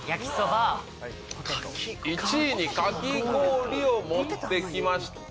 １位にかき氷を持ってきました。